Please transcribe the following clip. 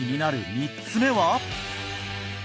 ３つ目は？